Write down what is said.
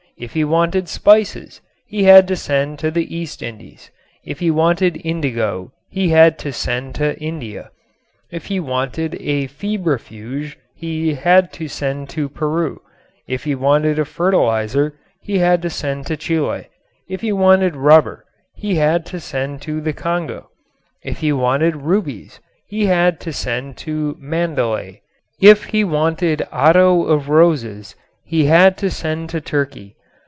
If he wanted spices he had to send to the East Indies. If he wanted indigo he had to send to India. If he wanted a febrifuge he had to send to Peru. If he wanted a fertilizer he had to send to Chile. If he wanted rubber he had to send to the Congo. If he wanted rubies he had to send to Mandalay. If he wanted otto of roses he had to send to Turkey.